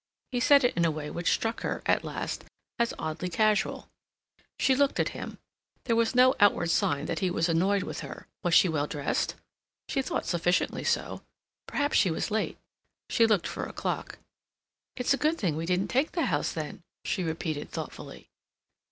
He said it in a way which struck her, at last, as oddly casual. She looked at him. There was no outward sign that he was annoyed with her. Was she well dressed? She thought sufficiently so. Perhaps she was late? She looked for a clock. "It's a good thing we didn't take the house then," she repeated thoughtfully.